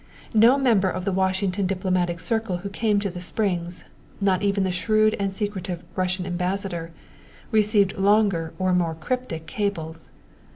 No member of the Washington diplomatic circle who came to the Springs, not even the shrewd and secretive Russian Ambassador, received longer or more cryptic cables.